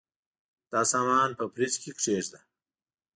دا سامان په فریج کي کښېږده.